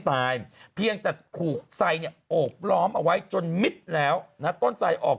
เพียงแต่ถูกไซเนี่ยโอบล้อมเอาไว้จนมิดแล้วนะต้นไสออก